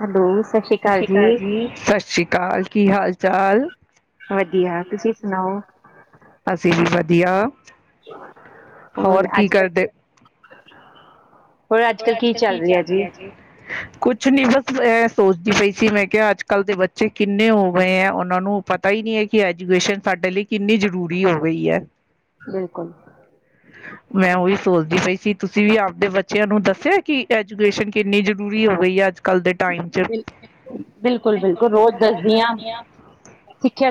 Hello, ਸਤਿ ਸ੍ਰੀ ਸ਼੍ਰੀ ਅਕਾਲ ਜੀ, ਸਤਿ ਸ਼੍ਰੀ ਅਕਾਲ ਕੀ ਹਾਲ? ਚਾਲ? ਵਧੀਆ ਤੁਸੀਂ ਸੁਣਾਓ, ਅਸੀਂ ਵੀ ਵਧੀਆ। ਵਧੀਆ ਹੋਰ ਅੱਜ ਕੱਲ੍ਹ ਹੋਰ ਅੱਜ ਕੱਲ੍ਹ ਕੀ ਚੱਲ ਰਿਹਾ ਜੀ? ਕੁਛ ਨੀ ਬਸ ਇਹ ਸੋਚਦੀ ਪਈ ਸੀ ਮੈਂ ਕਿਹਾ ਅੱਜ ਕੱਲ ਦੇ ਬੱਚੇ ਕਿੰਨੇ ਹੋ ਗਏ ਹੈ, ਉਹਨਾਂ ਨੂੰ ਪਤਾ ਹੀ ਨਹੀਂ ਹੈ ਕਿ ਐਜੂਕੇਸ਼ਨ ਸਾਡੇ ਲਈ ਕਿੰਨੀ ਜ਼ਰੂਰੀ ਹੋ ਗਈ ਹੈ। ਬਿਲਕੁਲ, ਮੈਂ ਉਹੀ ਸੋਚਦੀ ਪਈ ਤੁਸੀਂ ਵੀ ਆਪਦੇ ਬੱਚੇ ਬੱਚਿਆਂ ਨੂੰ ਦੱਸਿਆ, ਕਿ ਐਜੂਕੇਸ਼ਨ ਕਿੰਨੀ ਜ਼ਰੂਰੀ ਹੋ ਗਈ ਹੈ ਅੱਜ ਕੱਲ੍ਹ ਦੇ ਅੱਜ ਦੇ ਟਾਈਮ ਚ ਬਿਲ ਬਿਲਕੁਲ-ਬਿਲਕੁਲ ਬਿਲਕੁਲ- ਰੋਜ਼ ਬਿਲਕੁਲ ਰੋਜ ਦੱਸਦੀ ਦਸਦੀ ਹਾਂ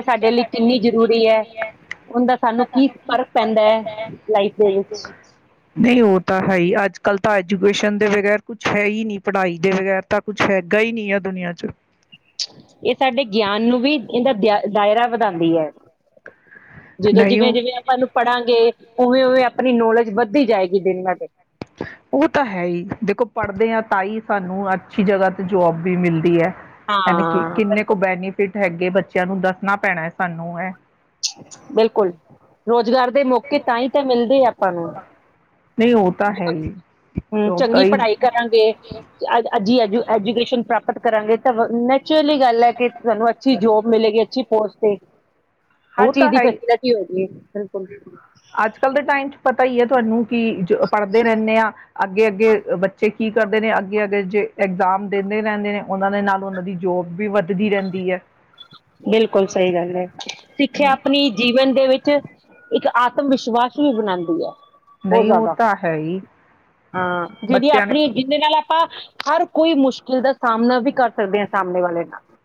ਸਿੱਖਿਆ ਸਾਡੇ ਲਈ ਕਿੰਨੀ ਜਰੂਰੀ ਹੈ ਉਹਦੇ ਨਾਲ ਸਾਨੂੰ ਕੀ ਫਰਕ ਪੈਂਦਾ ਹੈ ਲਾਈਫ ਦੇ ਲਾਇਫ ਵਿੱਚ, ਉਹ ਤਾਂ ਹੈ ਹੀ ਅੱਜ ਤਾਂ ਐਜੂਕੇਸ਼ਨ ਦੇ ਬਗ਼ੈਰ ਕੁਛ ਹੈ ਹੀ ਨਹੀਂ, ਪੜ੍ਹਾਈ ਦੇ ਬਗੈਰ ਤਾਂ ਕੁਛ ਹੈਗਾ ਹੀ ਨਹੀਂ ਹੈ ਦੁਨੀਆਂ ਚ ਇਹ ਸਾਡੇ ਗਿਆਨ ਨੂੰ ਵੀ ਇਹਦਾ ਦਾਇਰਾ ਵਧਾਉਂਦੀ ਹੈ। ਜਦੋਂ ਨਹੀਂ ਜਿਵੇਂ ਉਹ ਜਿਵੇਂ ਆਪਾਂ ਇਨੂੰ ਪੜਾਂਗੇ ਉਵੇਂ ਉਵੇਂ ਆਪਣੀ ਨੌਲੇਜ ਵੱਧਦੀ ਜਾਏਗੀ ਦਿਨ ਬ ਦਿਨ ਉਹ ਤਾਂ ਹੈ ਹੀ ਦੇਖੋ ਪੜ੍ਹਦੇ ਹਾਂ ਤਾਂ ਹੀ ਸਾਨੂੰ ਅੱਛੀ ਜਗ੍ਹਾ ਤੇ ਜੋਬ ਵੀ ਮਿਲਦੀ ਹੈ। ਹਨ ਕਿ ਹਾਂ, ਕਿੰਨੇ ਕੁ ਬੈਨੀਫਿਟ ਹੈਗੇ ਬੱਚੇ ਬੱਚਿਆਂ ਨੂੰ ਦੱਸਣਾ ਪੈਣਾ ਹੈ ਸਾਨੂੰ ਇਹ ਬਿਲਕੁਲ। ਰੁਜ਼ਗਾਰ ਦੇ ਮੌਕੇ ਤਾਂ ਹੀ ਤਾਂ ਮਿਲਦੇ ਆ ਆਪਾਂ ਨੂੰ ਨਹੀਂ ਉਹ ਤਾਂ ਹੈ ਹੀ ਹਮ ਜੋਬ ਚੰਗੀ ਤਾਂ ਹੀ ਪੜ੍ਹਾਈ ਕਰਾਂਗੇ, ਅੱਛੀ ਐਜੂਕੇਸ਼ਨ ਪ੍ਰਾਪਤ ਕਰਾਂਗੇ ਤਾਂ ਨੈਚੁਰਲੀ ਗੱਲ ਹੈ ਕਿ ਸਾਨੂੰ ਅੱਛੀ ਜੋਬ ਮਿਲੇਗੀ ਅੱਛੀ ਪੋਸਟਪੇਡ ਹਰ ਉਹ ਚੀਜ਼ ਤਾਂ ਦੀ ਹੈ ਹੀ ਫੈਸਿਲਿਟੀ ਹੋ ਗਈ ਹੈ ਬਿਲਕੁਲ ਅੱਜ ਕੱਲ੍ਹ ਦੇ ਟਾਈਮ 'ਚ ਪਤਾ ਹੀ ਹੈ ਤੁਹਾਨੂੰ ਕਿ ਪੜ੍ਹਦੇ ਰਹਿੰਦੇ ਹਾਂ। ਅੱਗੇ ਅੱਗੇ ਬੱਚੇ ਕੀ ਕਰਦੇ ਨੇ ਅੱਗੇ ਅੱਗੇ ਜੇ ਐਗਜ਼ਾਮ ਦਿੰਦੇ ਰਹਿੰਦੇ ਨੇ ਉਹਨਾਂ ਦੇ ਨਾਲ ਉਹਨਾਂ ਦੀ ਜੋਬ ਵੀ ਵੱਧਦੀ ਰਹਿੰਦੀ ਹੈ। ਬਿਲਕੁਲ ਸਹੀ ਗੱਲ ਹੈ ਸਿੱਖਿਆ ਆਪਣੀ ਜੀਵਨ ਦੇ ਵਿੱਚ ਇੱਕ ਆਤਮ ਵਿਸ਼ਵਾਸ ਵੀ ਬਣਾਉਂਦੀ ਹੈ। ਬਹੁਤ ਨਹੀਂ ਹੋ ਜ਼ਿਆਦਾ ਤਾਂ ਹੈ ਹੀ। ਹਾਂ ਜਿਹੜੀ ਬੱਚਿਆਂ ਨੇ ਆਪਣੀ ਜਿਹਦੇ ਨਾਲ ਆਪਾਂ ਹਰ ਕੋਈ ਮੁਸ਼ਕਿਲ ਦਾ ਸਾਮਣਾ ਵੀ ਕਰ ਸਕਦੇ ਹਾਂ। ਸਾਹਮਣੇ ਵਾਲੇ ਨੂੰ। ਨਾਲ।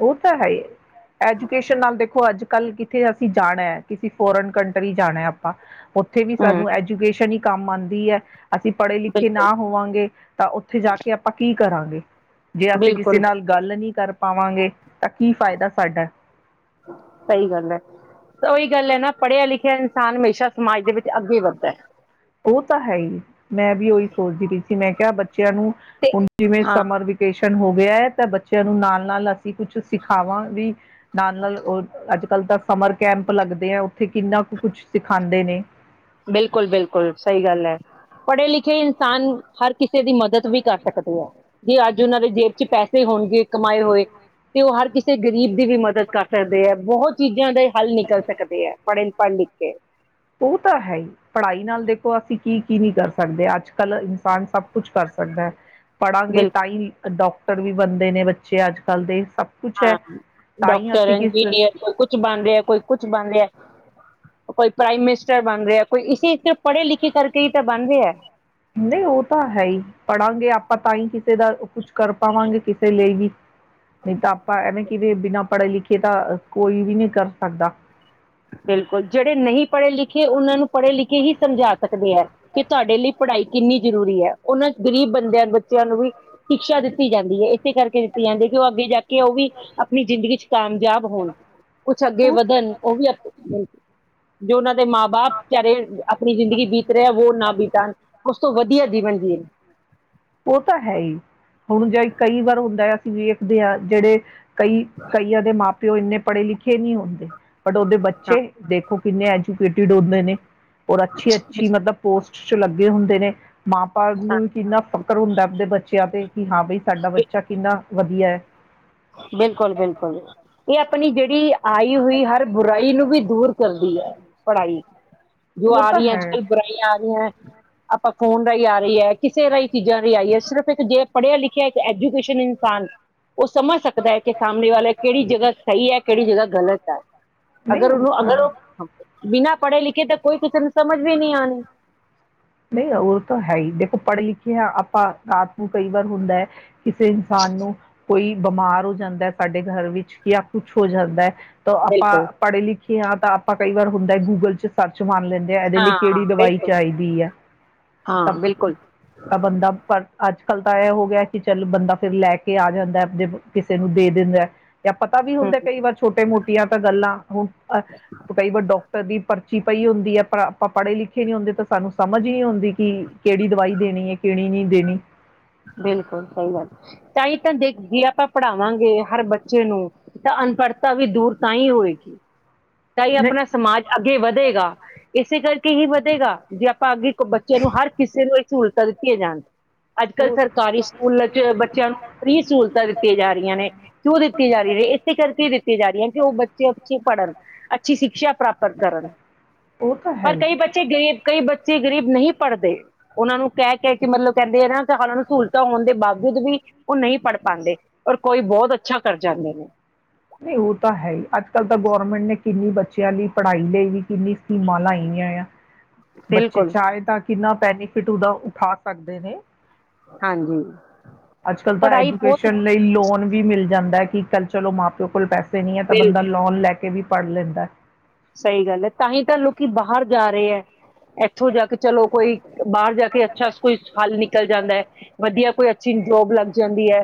ਉਹ ਤਾਂ ਇਹੀ ਹੈ। ਐਜੂਕੇਸ਼ਨ ਨਾਲ ਦੇਖੋ ਅੱਜ ਕੱਲ ਕਿੱਥੇ ਅਸੀਂ ਜਾਣਾ ਹੈ ਕਿਸੇ ਫੋਰਨ ਕੰਟਰੀ ਜਾਣਾ ਆਪਾਂ ਉੱਥੇ ਵੀ ਹੂੰ ਸਾਨੂੰ ਐਜੂਕੇਸ਼ਨ ਹੀ ਕੰਮ ਆਉਂਦੀ ਦੀ ਹੈ। ਅਸੀਂ ਪੜ੍ਹੇ ਲਿਖੇ ਬਿਲਕੁਲ ਨਾ ਹੋਵਾਂਗੇ। ਤਾਂ ਉੱਥੇ ਜਾ ਕੇ ਆਪਾਂ ਕੀ ਕਰਾਂਗੇ। ਜੇ ਅਸੀਂ ਕਿਸੇ ਬਿਲਕੁਲ ਨਾਲ ਗੱਲ ਨੀ ਕਰ ਹੋਂਵਾਗੇ ਤਾਂ ਕੀ ਫਾਇਦਾ ਸਾਡਾ। ਸਹੀ ਗੱਲ ਹੈ ਤਾਂ ਉਹੀ ਗੱਲ ਹੈ ਨਾ। ਪੜ੍ਹਿਆ ਲਿਖਿਆ ਇਨਸਾਨ ਹਮੇਸ਼ਾ ਸਮਾਜ ਦੇ ਵਿੱਚ ਅੱਗੇ ਵੱਧਦਾ ਹੈ। ਉਹ ਤਾਂ ਹੈ ਹੀ। ਮੈਂ ਵੀ ਉਹੀ ਸੋਚਦੀ ਪਈ ਸੀ। ਮੈਂ ਕਿਆ ਬੱਚਾ ਬੱਚਿਆਂ ਨੂੰ ਤੇ ਹੁਣ ਕਿਵੇਂ ਹਾਂ ਸਮਰ ਵਿਕੇਸ਼ਨ ਰਿਟਨ ਹੋ ਗਿਆ ਹੈ। ਤਾਂ ਬੱਚਿਆਂ ਨੂੰ ਨਾਲ ਨਾਲ ਅਸੀਂ ਕੁਛ ਸਿਖਾਵਾਂ ਵੀ। ਨਾਲ ਨਾਲ ਅੱਜ ਕੱਲ ਤਾਂ ਸਮਰ ਕੈਂਪ ਲੱਗਦੇ ਆ। ਉੱਥੇ ਕਿੰਨਾ ਕੁ ਕੁਛ ਸਿਖਾਉਂਦੇ ਨੇ। ਬਿਲਕੁਲ ਬਿਲਕੁਲ ਸਹੀ ਗੱਲ ਹੈ ਪੜ੍ਹੇ ਲਿਖੇ ਇਨਸਾਨ ਹਰ ਕਿਸੇ ਕਿਸੇ ਦੀ ਮਦਦ ਵੀ ਕਰ ਸਕਦੇ ਹੈ। ਜੇ ਅੱਜ ਉਹਨਾਂ ਦੇ ਜੇਬ ਚ ਪੈਸੇ ਹੋਣਗੇ। ਕਮਾਏ ਹੋਏ ਤੇ ਉਹ ਹਰ ਕਿਸੇ ਗਰੀਬ ਦੀ ਵੀ ਮਦਦ ਕਰ ਸਕਦੇ ਹੈ ਬਹੁਤ ਚੀਜ਼ਾਂ ਦੇ ਹੱਲ ਨਿਕਲ ਸਕਦੇ ਹੈ। ਪੜ੍ਹੇ ਪੜ੍ਹ ਲਿਖ ਕੇ। ਉਹ ਤਾਂ ਹੈ ਹੀ ਪੜ੍ਹਾਈ ਨਾਲ ਦੇਖੋ ਅਸੀਂ ਕੀ ਕੀ ਨਹੀਂ ਕਰ ਸਕਦੇ ਅੱਜ ਕਲ ਇਨਸਾਨ ਸਭ ਕੁਛ ਕਰ ਸਕਦਾ ਹੈ ਪੜਾਂਗੇ ਬਿਲਕੁਲ ਤਾਂ ਹੀ ਡਾਕ ਟਰ ਵੀ ਬਣਦੇ ਨੇ ਬੱਚੇ ਅੱਜ ਕੱਲ੍ਹ ਦੇ। ਸਭ ਕੁਛ ਹੈ ਹਾਂ ਤਾਂ ਹੀ ਡਾਕਟਰ, ਅਸੀਂ ਇੰਜੀਨੀਅਰ ਕਿਸ ਕੋਈ ਕੁਛ ਬਣ ਰਿਹਾ, ਕੋਈ ਕੁਛ ਬਣ ਰਿਹਾ। ਕੋਈ ਪ੍ਰਾਈਮ ਮਿਨਿਸਟਰ ਬਣ ਰਿਹਾ ਕੋਈ ਇਸੀ ਪੜ੍ਹੇ ਲਿਖੇ ਕਰਕੇ ਹੀ ਤਾਂ ਬਣਦੇ ਹੈ। ਨਹੀਂ ਉਹ ਤਾਂ ਹੈ ਹੀ ਪੜਾਂਗੇ ਆਪਾਂ ਤਾਂ ਹੀ ਕਿਸੇ ਦਾ ਕੁਛ ਕਰ ਪਾਵਾਂਗੇ ਕਿਸੇ ਲਈ ਵੀ। ਨਹੀਂ ਤਾਂ ਆਪਾਂ ਐਵੇਂ ਕਿ ਵੀ ਬਿਨਾਂ ਪੜ੍ਹੇ ਲਿਖੇ ਤਾਂ ਕੋਈ ਵੀ ਨਹੀਂ ਕਰ ਸਕਦਾ। ਬਿਲਕੁਲ ਜਿਹੜੇ ਨਹੀਂ ਪੜ੍ਹੇ ਲਿਖੇ ਉਹਨਾਂ ਨੂੰ ਪੜ੍ਹੇ ਲਿਖੇ ਹੀ ਸਮਝਾ ਸਕਦੇ ਹੈ। ਕਿ ਤੁਹਾਡੇ ਲਈ ਪੜ੍ਹਾਈ ਕਿੰਨੀ ਜ਼ਰੂਰੀ ਹੈ, ਉਹਨਾਂ ਗਰੀਬ ਬੰਦਿਆਂ ਬੱਚਿਆਂ ਨੂੰ ਵੀ ਸ਼ਿਕਸ਼ਾ ਦਿੱਤੀ ਜਾਂਦੀ ਹੈ, ਇਸੇ ਕਰਕੇ ਦਿੱਤੀ ਜਾਂਦੀ ਹੈ ਕਿ ਉਹ ਅੱਗੇ ਜਾ ਕੇ ਉਹ ਵੀ ਆਪਣੀ ਜ਼ਿੰਦਗੀ ਚ ਕਾਮਯਾਬ ਹੋਣ। ਕੁਛ ਅੱਗੇ ਉਹ ਵਧਣ ਉਹ ਵੀ ਜੋ ਉਹਨਾਂ ਦੇ ਮਾਂ ਬਾਪ ਵਿਚਾਰੇ ਆਪਣੀ ਜ਼ਿੰਦਗੀ ਬੀਤ ਰਿਹਾ, ਉਹੋ ਨਾ ਬੀਤਾਣ ਸਭ ਤੋਂ ਵਧੀਆ ਜੀਵਨ ਜੀਓਣ। ਉਹ ਤਾਂ ਹੈ ਹੀ ਹੁਣ ਜੇ ਕਈ ਵਾਰ ਹੁੰਦਾ ਆ ਵੇਖਦੇ ਆ ਜਿਹੜੇ ਕਈ ਕਈਆਂ ਦੇ ਮਾਪ ਪਿਓ ਇੰਨੇ ਪੜ੍ਹੇ ਲਿਖੇ ਨਹੀਂ ਹੁੰਦੇ। ਬਟ ਉਹਦੇ ਹਾਂ ਬੱਚੇ ਦੇਖੋ ਖੋ ਕਿੰਨੇ ਐਜੂਕੇਟਿਡ ਹੁੰਦੇ ਨੇ। ਔਰ ਅੱਛੀ ਅੱਛੀ ਮਤਲਬ ਪੋਸਟ ਚ ਲੱ ਗੇ ਹੁੰਦੇ ਨੇ ਮਾਂ ਬਾਪ ਨੂ ਵੀ ਕਿੰਨਾ ਫਖਰ ਹੁੰਦਾ ਆਪਦੇ ਬੱਚਿਆਂ ਤੇ ਕਿ ਹਾਂ, ਬਾਈ ਸਾਡਾ ਬੱਚਾ ਕਿੰਨਾ ਵਧੀਆ ਹੈ। ਬਿਲਕੁਲ-ਬਿਲਕੁਲ ਇਹ ਆਪਣੀ ਜਿਹੜੀ ਆਈ ਹੋਈ ਹਰ ਬੁਰਾਈ ਨੂੰ ਵੀ ਦੂਰ ਕਰਦੀ ਹੈ ਪੜ੍ਹਾਈ, ਜੋ ਉਹ ਆ ਤਾਂ ਰਹੀ ਹੈ ਅੱਜ ਕੱਲ੍ਹ ਬੁਰਾਈਆਂ ਆ ਰਹੀਆਂ ਆਪਾਂ ਫੋਨ ਰਾਹੀਂ ਆ ਰਹੀ ਹੈ ਕਿਸੇ ਰਾਹੀਂ ਚੀਜ਼ਾਂ ਰਾਹੀਂ ਆਈਹੀ ਹੈ ਸਿਰਫ ਇੱਕ ਜੇ ਪੜ੍ਹਿਆ ਲਿਖਿਆ ਇੱਕ ਐਜੂਕੇਸ਼ਨ ਇਨਸਾਨ ਉਸ ਸਮਝ ਸਕਦਾ ਹੈ ਕਿ ਸਾਹਮਣੇ ਵਾਲਾ ਕਿਹੜੀ ਜਗ੍ਹਾ ਸਹੀ ਹੈ ਕਿਹੜੀ ਜਗ੍ਹਾ ਗਲਤ ਹੈ ਨਹੀਂ ਅਗਰ ਉਹ ਉਹਨੂੰ ਅਗਰ ਤਾਂ ਉਹ ਬਿਨਾ ਪੜ੍ਹੇ ਲਿਖੇ ਤਾਂ ਕੋਈ ਕਿਸੇ ਨੂੰ ਸਮਝ ਵੀ ਨਹੀਂ ਆਣੀ ਨਹੀਂ ਉਹ ਤਾਂ ਹੈ ਹੀ ਦੇਖੋ ਪੜ੍ਹੇ ਲਿਖੇ ਹਾਂ ਆਪਾਂ ਰਾਤ ਨੂੰ ਕਈ ਵਾਰ ਹੁੰਦਾ ਹੈ ਕਿਸੇ ਇਨਸਾਨ ਨੂੰ ਕੋਈ ਬਿਮਾਰ ਹੋ ਜਾਂਦਾ ਸਾਡੇ ਘਰ ਵਿੱਚ ਜਾਂ ਕੁਛ ਹੋ ਜਾਂਦਾ ਹੈ ਤਾਂ ਆਪਾਂ ਬਿਲਕੁਲ ਪੜ੍ਹੇ ਲਿਖੇ ਹਾਂ ਤਾਂ ਆਪਾਂ ਕਈ ਵਾਰ ਹੁੰਦਾ ਗੂਗਲ ਚ ਸਰਚ ਮੰਨ ਲੈਂਦੇ ਇਹਦੇ ਲਈ ਹਾਂ ਕਿਹੜੀ ਦਵਾਈ ਬਿਲਕੁਲ ਚਾਹੀਦੀ ਹੈ ਤਾਂ ਹਾਂ ਬਿਲਕੁਲ ਤਾਂ ਬੰਦਾ ਪਰ ਅੱਜ ਕੱਲ ਤਾਂ ਇਹ ਹੋ ਗਿਆ ਕਿ ਚੱਲ ਬੰਦਾ ਫਿਰ ਲੈ ਕੇ ਆ ਜਾਂਦਾ ਜ ਕਿਸੇ ਨੂੰ ਦੇ ਦਿੰਦਾ ਜਾਂ ਪਤਾ ਵੀ ਹਮ ਹੁੰਦਾ ਕਈ ਵਾਰ ਛੋਟੇ ਮੋਟੇ ੀਆਂ ਤਾਂ ਗੱਲਾਂ ਹੁਣ ਕਈ ਵਾਰ ਡਾਕਟਰ ਦੀ ਭਰਤੀ ੀ ਪਈ ਹੁੰਦੀ ਹੈ ਆਪਾਂ ਪੜ੍ਹੇ ਲਿਖੇ ਨੀ ਹੁੰਦੇ ਤਾਂ ਸਾਨੂੰ ਸਮਝ ਹੀ ਨਹੀਂੀ ਆਉਦੀ ਕਿ ਕਿਹੜੀ ਦਵਾਈ ਦੇਣੀ ਹੈ ਕਿਹੜੀ ਨਹੀਂੀ ਦੇਣੀ ਬਿਲਕੁਲ ਸਹੀ ਗੱਲ ਤਾਂ ਤਾਂ ਜੇ ਆਪਾਂ ਪੜ੍ਹਾਵਾਂਗੇ ਹਰ ਬੱਚੇ ਨੂੰ ਤਾਂ ਅਨਪੜ੍ਹਤਾ ਵੀ ਦੂਰ ਤਾਂ ਹੀ ਹੋਏਗੀ ਤਾਂ ਹੀ ਨਹੀਂ ਆਪਣਾ ਸਮਾਜ ਅੱਗੇ ਵਧੇਗਾ ਇਸੇ ਕਰਕੇ ਹੀ ਵਧੇਗਾ ਜੇ ਆਪਾਂ ਅੱਗੇ ਬੱਚੇ ਨੂੰ ਹਰ ਕਿਸੇ ਨੂੰ ਇੱਕ ਸਹੂਲਤਾਂ ਦਿੱਤੀਆਂ ਜਾਣ ਤੇ ਅੱਜ ਕੱਲ੍ਹ ਉਹ ਸਰਕਾਰੀ ਸਕੂਲ ਚ ਬੱਚਿਆਂ ਨੂੰ ਫਰੀ ਸਹੂਲਤਾਂ ਦਿੱਤੀਆਂ ਜਾ ਰਹੀਆਂ ਨੇ ਕਿਉਂ ਦਿੱਤੀ ਜਾ ਰਹੀ ਹੈ ਇਸੇ ਕਰਕੇ ਦਿੱਤੀ ਜਾ ਰਹੀਆਂ ਕਿ ਉਹ ਬੱਚੇ ਅੱਛੇ ਛੇ ਪੜ੍ਹਨ ਅੱਛੀ ਸ਼ਿਕਸ਼ਾ ਪ੍ਰਾਪਤ ਕਰਨ ਉਹ ਤਾਂ ਹੈ ਪਰ ਹੀ। ਕਈ ਨਹੀਂ ਬੱਚੇ ਗਈ ਕਈ ਬੱਚੇ ਗ਼ਰੀਬ ਨਹੀਂ ਪੜ੍ਹਦੇ ਉਹਨਾਂ ਨੂੰ ਕਹਿ ਕਹਿ ਕੇ ਮਤਲਬ ਕਹਿੰਦੇ ਆ ਨਾਾਂ ਨੂੰ ਸਹੂਲਤਾਂ ਹੋਣ ਦੇ ਬਾਵਜੂਦ ਵੀ ਉਹ ਨਹੀਂ ਪੜ੍ਹ ਪਾਉਂਦੇ ਔਰ ਕੋਈ ਬਹੁਤ ਅੱਛਾ ਕਰ ਜਾਂਦੇ ਨੇ ਨਹੀਂ ਉਹ ਤਾਂ ਹੈ ਹੀ ਅੱਜ ਕੱਲ੍ਹ ਤਾਂ ਗੌਰਮੈਂਟ ਨੇ ਕਿੰਨੀ ਬੱਚਿਆਂ ਲਈ ਪੜ੍ਹਾਈ ਲਈ ਵੀ ਕਿੰਨੀ ਸਕੀਮਾਂ ਲਾਈਆਂ ਆ ਬੱਚੇ ਬਿਲਕੁਲ ਚਾਹੇ ਤਾਂ ਕਿ ਕਿੰਨਾ ਬੈਨੀਫਿਟ ਉਹਦਾ ਉਠਾ ਸਕਦੇ ਨੇ ਹਾਂਜੀ ਅੱਜ ਕੱਲ੍ਹ ਤਾਂ ਪੜ੍ਹਾਈ ਬਹੁਤ ਐਜੂਕੇਸ਼ਨ ਲਈ ਲੋਨ ਵੀ ਮਿਲ ਜਾਂਦਾ ਕਿ ਕੱਲ ਚਲੋ ਮਾਂ ਪਿਓ ਕੋਲ ਪੈਸੇ ਨੀ ਹੈ। ਤਾਂ ਬੰਦਾ ਬਿਲਕੁਲ ਲੋਨ ਲੈ ਕੇ ਵੀ ਪੜ੍ਹ ਲੈਂਦਾ ਸਹੀ ਗੱਲ ਹੈ। ਤਾਂਹੀ ਤਾਂ ਲੋਕੀ ਬਾਹਰ ਜਾ ਰਹੇ ਹੈ। ਇੱਥੋਂ ਜਾ ਕੇ ਚਲੋ ਕੋਈ ਬਾਹਰ ਜਾ ਕੇ ਅੱਛਾ ਕੋਈ ਹਾਲ ਨਿਕਲ ਜਾਂਦਾ ਹੈ। ਵਧੀਆ ਕੋਈ ਅੱਛੀ ਜੋਬ ਲੱਗ ਜਾਂਦੀ ਹੈ।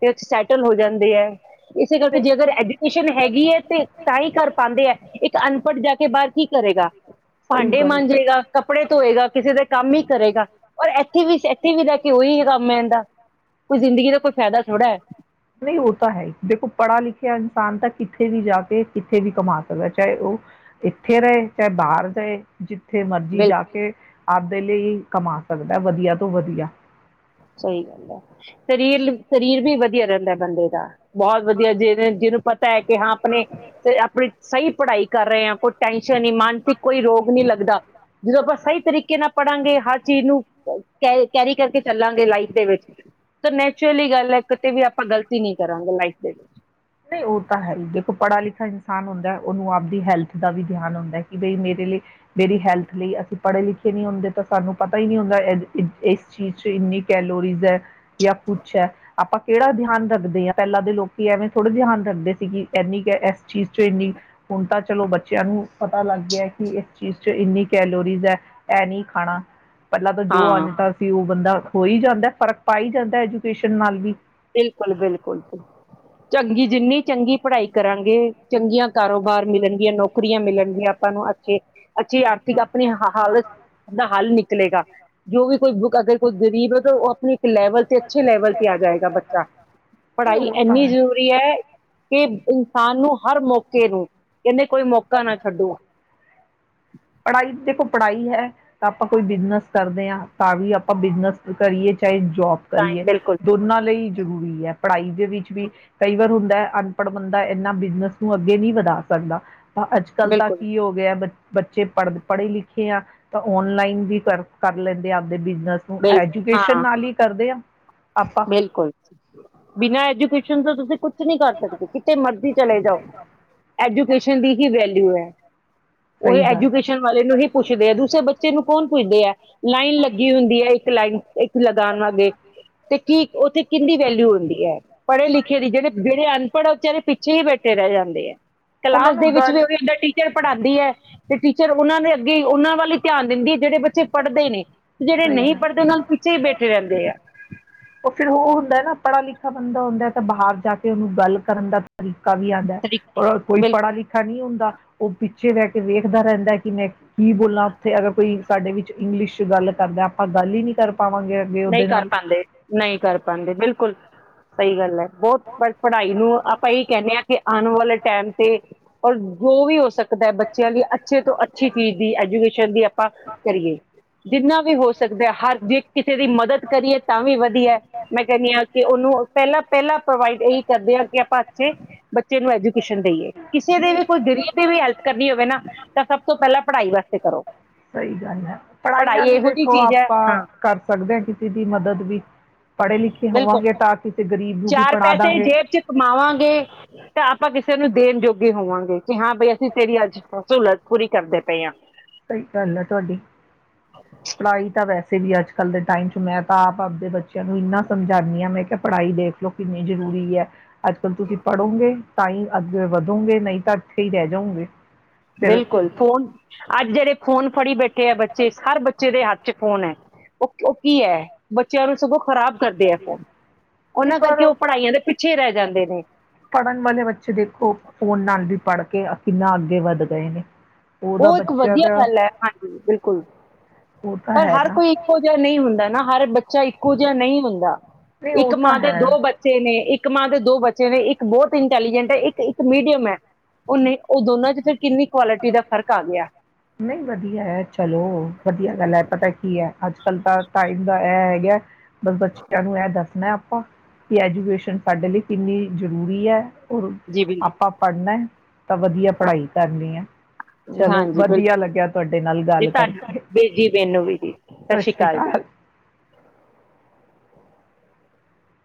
ਤੇ ਸੈਟਲ ਹੋ ਜਾਂਦੇ ਹੈ। ਇਸੇ ਤੇ ਕਰਕੇ ਜੇ ਅਗਰ ਐਜੂਕੇਸ਼ਨ ਹੈਗੀ ਹੈ। ਤੇ ਤਾਂ ਹੀ ਕਰਰ ਪਾਉਂਦੇ ਹੈ। ਇੱਕ ਅਨਪਟ ਜਾ ਕੇ ਬਾਹਰ ਕੀ ਕਰੇਗਾ। ਸਹੀ ਭਾਂਡੇ ਗੱਲ। ਮੰਾਂਜੇਗਾ ਕੱਪੜੇ ਧੋਏਗਾ ਕਿਸੇ ਦਾ ਕੰਮ ਹੀ ਕਰੇਗਾ ਰ ਇੱਥੇ ਵੀ ਇੱਥੇ ਵੀ ਲੈ ਕੇ ਉਹੀ ਹੈ। ਕੰਮ ਹੈਦਾ ਨਹੀਂ ਹੋਤਾ ਹੈ। ਦੇਖੋ ਪੜ੍ਹਾ ਲਿਖਿਆ ਇਨਸਾਨ ਤੱਕ ਕਿੱਥੇ ਵੀ ਜਾ ਕੇ ਕਿੱਥੇ ਵੀ ਕਮਾ ਸਕਦਾ ਚਾਹੇ ਉਹ ਇੱਥੇ ਰਹੇ ਚਾਹੇ ਬਾਹਰ ਜਿੱ [unintelligible] ਜਥੇ ਮਰਜ਼ੀ ਹੈ ਜਾ ਕੇ ਆਪਦੇ ਲਈ ਕਮਾ ਸਕਦਾ ਵਧੀਆ ਤੋਂ ਵਧੀਆ ਸਹੀ ਗੱਲ ਹੈ। ਸਰੀਰ ਸਰੀਰ ਵੀ ਵਧੀਆ ਰਹਿੰਦਾ ਬੰਦੇ ਦਾ ਬਹੁਤ ਵਧੀਆ ਜਿਹਨ ਜਿਹਨੂੰ ਪਤਾ ਹੈ। ਕਿ ਹਾਂ ਆਪਣੇ ਆਪਣੀ ਸਹੀ ਪੜ੍ਹਾਈ ਕਰ ਰਹੇ ਹਾਂ। ਕੋਈ ਟੈਂਟ ਸ਼ ਮਾਨਸਿਕ ਕੋਈ ਰੋਗ ਨਹੀਂੀ ਲੱਗਦਾ ਜਦੋਂ ਆਪਾਂ ਸਹੀ ਤਰੀਕੇ ਨਾਲ ਪੜਾਂਗੇ ਹਰ ਚੀਜ਼ ਨੂੰ ਕੈ ਕੈਰੀ ਕਰਕੇ ਚੱਲਾਂਗੇ ਲਾਈਫ ਦੇ ਵਿੱਚ ਨੈਚੁਰਲੀ ਗੱਲ ਹੈ। ਕਿਤੇ ਵੀ ਆਪਾਂ ਗ਼ਲਤੀ ਨਹੀਂੀ ਕਰਾਂਗੇ ਲਾਈਫ ਦੇ ਵਿੱਚ ਨਹੀਂ ਉਹ ਤਾਂ ਹੈ ਹੀ ਦੇਖੋ ਪੜ੍ਹਾ ਲਿਖਾ ਇਨਸਾਨ ਹੁੰਦਾ ਹੈ, ਉਹਨੂੰ ਆਪਦੀ ਹੈਲਥ ਦਾ ਵੀ ਧਿਆਨ ਹਉਂਦਾ ਹੈ ਕਿ ਬਈ ਮੇਰੇ ਲਈ ਮੇਰੀ ਹੈਲਥ ਲਈ ਅਸੀਂ ਪੜ੍ਹੇ ਲਿਖੇ ਨਹੀਂੀ ਹੁੰਦੇ ਤਾਂ ਸਾਨੂੰ ਪਤਾ ਹੀ ਨਹੀਂੀ ਹੁੰਦਾ ਇਸ ਚੀਜ਼ ਚ ਇੰਨੀ ਕੈਲੋਰੀਜ਼ ਹੈ। ਜਾਂ ਪੁੱਛ ਹੈ। ਆਪਾਂ ਕਿਹੜਾ ਧਿਆਨ ਰੱਖਦੇ ਹਾਂ। ਪਹਿਲਾਂ ਦੇ ਲੋਕੀ ਐਵੇਂ ਥੋੜ੍ਹਾ ਜਿਆਨ ਰੱਖਦੇ ਸੀ ਕਿ ਇਨੀ ਕ ਇਸ ਚੀਜ਼ ਚ ਇੰਨੀ ਹੁਣ ਤਾਂ ਚਲੋ ਬੱਚਿਆਂ ਨੂੰ ਪਤਾ ਲੱਗ ਗਿਆ ਕਿ ਇਸ ਚੀਜ਼ ਚ ਇੰਨੀ ਕੈਲੋਰੀਜ਼ ਹੈ। ਇਹ ਨਹੀਂ ਖਾਣਾ ਪਹਿਲਾਂ ਤਾਂ ਜੋ ਹਾਂ ਆਜਦਾ ਸੀ ਉਹ ਬੰਦਾ ਹੋ ਹੀ ਜਾਂਦਾ ਫਰਕ ਪਾ ਹੀ ਜਾਂਦਾ ਐਜੂਕੇਸ਼ਨ ਨਾਲ ਵੀ ਬਿਲਕੁਲ ਬਿਲਕੁਲੁ ਚੰਗੀ ਜਿੰਨੀ ਚੰਗੀ ਪੜ੍ਹਾਈ ਕਰਾਂਗੇ ਚੰਗੀਆਂ ਕਾਰੋਬਾਰ ਮਿਲਣਗੀਆਂ ਨੌਕਰੀਆਂ ਮਿਲਣਗੀਆਂ ਆਪਾਂ ਨੂੰ ਅੱਛਗੇ ਅਛੇ ਆਰਥਿਕ ਆਪਣੀ ਹਾਲਤ ਦਾ ਹੱਲ ਨਿਕ ਲੇਗਾ ਜੋ ਵੀ ਕੋਈ ਬੁੱਕ ਅਗਰ ਗਰੀਬ ਹੈ ਤਾਂ ਉਹ ਆਪਣੇ ਇੱਕ ਲੈਵਲ ਤੇ, ਅੱਛੇ ਲੈਵਲ ਤੇ ਆ ਜਾਏਗਾ ਬੱ ਚਾ ਤੇ ਪੜ੍ਹਾਈ ਉਹ ਤਾਂ ਇੰਨੀ ਹੈ ਜ਼ਰੂਰੀ ਹੈ ਕਿ ਇਨਸਾਨ ਨੂੰ ਹਰ ਮੌਕੇ ਨੂੰ ਕਹਿੰਦੇ ਕੋਈ ਮੌਕਾ ਨਾ ਛੱਡੋ। ਪੜ੍ਹਾਈ ਦੇਖੋ ਪੜ੍ਹਾਈ ਹੈ। ਆਪਾਂ ਕੋਈ ਬਿਜਨੈਸ ਕਰਦੇ ਹਾਂ ਤਾਂ ਵੀ ਆਪਾਂ ਬਿਜ਼ਨੈਸ ਕਰੀਏ ਚਾਹੇ ਜੋਬ ਤਾਂ ਕਰੀਏ ਬਿਲਕੁਲ ਦੋਨਾਂ ਲਈ ਜ਼ਰੂਰੀ ਹੈ, ਪੜ੍ਹਾਈ ਦੇ ਵਿੱਚ ਵੀ ਕਈ ਵਾਰ ਹੁਣ ਅਨਪੜ੍ਹ ਬੰਦਾ ਇਹਨਾਂ ਬਿਜਨੈਸ ਨੂੰ ਅੱਗੇ ਨਹੀਂ ਵਧਾ ਸਕਦਾ ਅੱਜ-ਕੱਲ੍ਹ ਤਾਂ ਬਿਲਕੁਲ ਕੀ ਹੋ ਗਿਆ ਬੱ ਬੱਚ ਚੇ ਪੜ੍ਹ-ਪੜ੍ਹੇ ਲਿਖੇ ਆ ਤਾਂ ਔਨਲਾਈਨ ਵੀ ਕਰ-ਕਰ ਲੈਂਦੇ ਆ ਆਪ ਦੇ ਬਿਜਨਸ ਨੂੰ ਬਿਲ ਐਜੂਕੇਸ਼ਨ ਹਾਂ ਨਾਲ ਹੀ ਕਰਦੇ ਆ। ਆਪਾਂ ਬਿਲਕੁਲ, ਬਿਨਾਂ ਐਜੂਕੇਸ਼ਨ ਤੋਂ ਤੁਸੀਂ ਕੁੱਝ ਕੁਝ ਨਹੀਂ ਕਰ ਸਕਦੇ, ਕਿਤੇ ਮਰਜ਼ੀ ਚਲੇ ਜਾਓ, ਐਜੂਕੇਸ਼ਨ ਦੀ ਹੀ ਵੈਲਿਯੂ ਹੈ। [inaudible] ਉਹ ਸਹੀ ਗੱਲ ਹੈ। ਐਜੂਕੇਸ਼ਨ ਵਾਲੇ ਨੂੰ ਹੀ ਪੁੱਛਦੇ ਹੈ, ਦੂਸਰੇ ਬੱਚੇ ਨੂੰ ਕੌਣ ਪੁੱਛਦੇ ਹੈ। ਲਾਈਨ ਲੱਗੀ ਹੁੰਦੀ ਹੈ ਇੱਕ ਲਾਈਨ, ਇੱਕ ਲਗਾਵਾਂਗੇ। ਕੀ ਉੱਥੇ ਕਿੰਦੀ ਵੈਲਿਊ ਹੁੰਦੀ ਹੈ, ਪੜ੍ਹੇ-ਲਿਖੇ ਦੀ ਜਿਹੜੇ-ਜਿਹੜੇ ਅਣਪਣ ਪਰ ਉ ਵਿਚਾਰੇ ਪਿੱਛੇ ਹੀ ਬੈਠੇ ਰਹਿ ਜਾਂਦੇ ਏ। ਉਹਨਾਂ ਕਲਾਸ ਨੂੰ ਦੇ ਵਿੱਚ ਗੱਲ ਵੀ ਉਹੀ ਐਂਦਾ ਟੀਚਰ ਪੜ੍ਹਾਉਂਦੀ ਹੈ ਤੇ ਟੀਚਰ ਫਿਰ ਉਹਨਾਂ ਦੇ ਅੱਗੇ ਉਹਨਾਂ ਵੱਲ ਹੀ ਧਿਆਨ ਦਿੰਦੀ ਹੈ ਜਿਹੜੇ ਬੱਚੇ ਪੜ੍ਹਦੇ ਨੇ, ਤੇ ਜਿਹੜੇ ਸਹੀ ਗੱਲ ਨਹੀਂ ਪੜ੍ਹਦੇ ਉਹ ਨਾਂ ਪਿੱਛੇ ਹੀ ਬੈਠੇ ਰਹਿੰਦੇ ਆ। ਉਹ ਫਿਰ ਉਹ ਹੁੰਦਾ ਹੈ ਨਾ ਪੜਾ-ਲਿਖਾ ਬੰਦਾ ਹੁੰਦਾ ਏ ਤਾਂ ਬਾਹਰ ਜਾ ਕੇ ਉਹਨੂੰ ਗੱਲ ਕਰਨ ਦਾ ਤਰੀਕਾ ਕਾ ਵੀ ਆਉਂਦਾ ਪਰ ਕੋਈ ਬਿਲਕੁਲ ਪੜ੍ਹਾ-ਲਿਖਾ ਨਹੀਂ ਹੁੰਦਾ ਉਹ ਪੀ ਜਿਵੇਂ ਕੋਈ ਵੇਖਦਾ ਰਹਿੰਦਾ ਕਿ ਮੈਂ ਕੀ ਬੋਲਾਂ ਉੱਥੇ ਅਗਰ ਕੋਈ ਸਾਡੇ ਵਿੱਚ ਇੰਗਲਿਸ਼ ਗੱਲ ਕਰਦਾ ਆਪਾਂ ਗੱਲ ਹੀ ਨੀ ਕਰ ਪਾਉਂਦੇ। ਨਹੀਂ ਕਰ ਪਾਂਦੇ ਨਹੀਂ ਕਰ ਪਾਂਦੇ, ਬਿਲਕੁਲ। ਸਹੀ ਗੱਲ ਹੈ, ਬਹੁਤ ਪੜ੍ਹਾਈ ਨੂੰ ਆਪਾਂ ਇਹੀ ਕਹਿੰਦੇ ਹਾਂ ਕਿ ਆਉਣ ਵਾਲੇ ਟਾਈਮ ਤੇ ਔਰ ਜੋ ਵੀ ਹੋ ਸਕਦਾ ਦਾ ਹੈ ਬੱਚਿਆਂ ਲਈ ਅੱਛੇ ਤੋਂ ਅੱਛੀ ਚੀਜ਼ ਦੀ ਐਜੂਕੇਸ਼ਨ ਦੀ ਆਪਾਂ ਕਰੀਏ। ਜਿੰਨਾ ਵੀ ਹੋ ਸਕਦਾ ਹਰ ਕਿਸੇ ਦੀ ਮਦਦ ਕਰੀਏ ਤਾਂ ਵੀ ਵਧੀਆ ਮੈਂ ਕਹਿੰਦੀ ਹਾਂ ਕਿ ਉਹਨੂੰ ਪਹਿਲਾਂ ਪਹਿਲਾਂ ਪ੍ਰੋਵਾਈਡ ਇਹੀ ਕਰਦੇ ਹਾਂ ਕਿ ਆਪਾਂ ਅੱਛੇ ਬੱਚੇ ਨੂੰ ਐਜੂਕੇਸ਼ਨ ਦੇਈਏ ਕਿਸੇ ਦੇ ਵੀ ਕੋਈ ਗਰੀਬ ਤੇ ਵੀ ਹੈਲਪ ਕਰਨੀ ਹੋਵੇ ਨਾ ਤਾਂ ਸਭ ਤੋਂ ਪਹਿਲਾਂ ਪੜ੍ਹਾਈ ਵਾਸਤੇ ਕਰੋ ਸਹੀ ਗੱਲ ਹੈ ਪੜ੍ਹਾਈ ਨਾਲ ਹੀ ਇਹੋ ਜਿਹੀ ਦੇਖੋ ਚੀਜ਼ ਹੈ। ਆਪਾਂ ਹਾਂ ਕਰ ਸਕਦੇ ਹਾ ਕਿਸੇ ਦੀ ਮਦਦ ਵੀ ਪੜ੍ਹੇ ਲਿਖੇ ਬਿਲਕੁਲ ਹੋਵਾਂਗੇ ਤਾਂ ਕਿਸੇ ਗਰੀਬ ਨੂੰ ਵੀ ਚਾਰ ਪੜਾ ਪੈਸੇ ਜੇਬ ਚ ਕਮਾਵਾਂਗੇ ਤਾਂ ਆਪਾਂ ਕਿਸੇ ਕਿਸੇ ਨੂੰ ਦੇਣ ਜੋੋਗੇ ਹੋਵਾਂਗੇ। ਕਿ ਹਾਂ ਬਾਈ ਅਸੀਂ ਤੇਰੀ ਅੱਜ ਤ ਸਹੂਲਤ ਪੂਰੀ ਕਰਦੇ ਪਏ ਹਾਂ। ਸਹੀ ਗੱਲ ਹੈ ਤੁਹਾਡੀ ਪੜਾਈ ਤਾਂ ਵੈਸੇ ਕਿਸੇ ਵੀ ਅੱਜ ਕੱਲ੍ਹ ਦੇ ਟਾਈਮ ਚ ਮੈਂ ਤਾਂ ਆਪ -ਆਪ ਦੇ ਬੱਚਿਆਂ ਨੂੰ ਇੰਨਾ ਸਮਝਾਉਂਦੀ ਹਾਂ, ਮੈਂ ਕਿਹਾ ਪੜ੍ਹਾਈ ਦੇਖ ਲਓ ਕਿੰਨੀ ਜ਼ਰੂਰੀ ਹੈ। ਅੱਜ ਕੱਲ ਤੁਸੀਂ ਪੜੋਗੇ ਤਾਂ ਹੀ ਅੱਗੇ ਵਧੋਂਗੇ ਨਹੀਂ ਤਾਂ ਇੱਥੇ ਹੀ ਰਹਿ ਜਾਉਗੇ। ਬਿਲਕੁਲ ਫੋਨ ਜਿਹੜੇ ਫੋਨ ਫੜੀ ਬੈਠੇ ਆ ਬੱਚੇ, ਹਰ ਬੱਚੇ ਦੇ ਹੱਥ ਚ ਫੋਨ ਹੈ ਉਹ ਉਹ ਕੀ ਹੈ ਬੱਚਿਆਂ ਨੂੰ ਸਗੋਂ ਖਰਾਬ ਕਰਦੇ ਆ ਫੋਨ ਨਹੀਂ ਉਹਨਾਂ ਕਰਕੇ ਪਰ ਉਹ ਪੜ੍ਹਾਈਆਂ ਦੇ ਪਿੱਛੇ ਰਹਿ ਜਾਂਦੇ ਨੇ ਪੜ੍ਹਨ ਵਾਲੇ ਬੱਚੇ ਦੇਖੋ ਫੋਨ ਨਾਲ ਵੀ ਪੜ੍ਹ ਕੇ ਕਿੰਨਾ ਅੱਗੇ ਵੱਧ ਗਏ ਨੇ। ਉਹਦਾ ਉਹ ਇੱਕ ਬੱਚਿਆਂ ਵਧੀਆ ਦਾ ਗੱਲ ਹੈ, ਹਾਂਜੀ ਬਿਲਕੁਲ, ਉਹ ਤਾਂ ਪਰ ਹੈ ਹਰ ਨਾ ਕੋਈ ਇੱਕੋ ਜਿਹਾ ਨਹੀਂ ਹੁੰਦਾ ਨਾ ਹਰ ਬੱਚੇ ਬੱਚਾ ਇੱਕੋ ਜਿਹਾ ਨਹੀਂ ਹੁੰਦਾ। ਨਹੀਂ ਇੱਕ ਉਹ ਤਾਂ ਮਾਂ ਦੇ ਹੈ। ਦੋ ਬੱਚੇ ਨੇ ਇੱਕ ਮਾਂ ਦੇ ਦੋ ਬੱਚੇ ਬੱਚੇ ਨੇ ਇੱਕ ਬਹੁਤ ਇੰਟੈਲੀਜੈਂਟ ਹੈ ਇੱਕ ਇੱਕ ਮੀਡੀਅਮ ਹੈ, ਉਹਨੇ ਉਹ ਦੋਨਾਂ ਚ ਫਿਰ ਕਿੰਨੀ ਕੁਆਲਿਟੀ ਦਾ ਫ਼ਰਕ ਆ ਗਿਆ ਨਹੀਂ ਵਧੀਆ ਹੈ ਚਲੋ ਵਧੀਆ ਗੱਲ ਹੈ ਪਤਾ ਕੀ ਹੈ ਅੱਜ ਕੱਲ੍ਹ ਤਾਂ ਟਾਈਮ ਦਾ ਇਹ ਹੈਗਾ ਬਸ ਬੱਚਿਆਂ ਨੂੰ ਇਹ ਦੱਸਣਾ ਕਿ ਐਜੂਕੇਸ਼ਨ ਸਾਡੇ ਲਈ ਕਿੰਨੀ ਜ਼ਰੂਰੀ ਹੈ। ਜੀ ਬਿਲ ਆਪਾਂ ਪੜ੍ਹਨਾ ਤਾਂ ਵਧੀਆ ਪੜ੍ਹਾਈ ਕਰਨੀ ਹੈ। ਚਲੋ ਹਾਂਜੀ ਵਧੀਆ ਬਿਲਕੁਲ ਜੀ ਲੱਗਿਆ ਤੁਹਾਡੇ ਨਾਲ ਜੀ ਗੱਲ ਤੁਹਾਨੂੰ ਕਰਕੇ ਬੇ- ਜੀ ਮੈਨੂੰ ਵੀ ਜੀ ਸਤਿ ਸਤਿ ਸ਼੍ਰੀ ਜੀ ਅਕਾਲ।